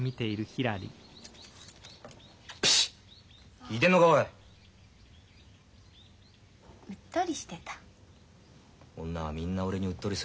女はみんな俺にうっとりするんだよ。